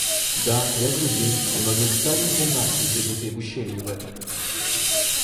Да, я грузин, но не старенькой нации, забитой в ущелье в это.